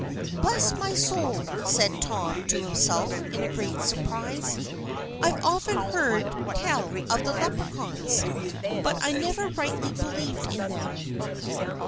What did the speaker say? "Bless my soul!" said Tom to himself, in great surprise, "I've often heard tell of the Leprechauns, but I never rightly believed in them!